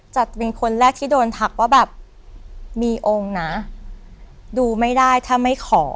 จะเป็นคนแรกที่โดนทักว่าแบบมีองค์นะดูไม่ได้ถ้าไม่ขอ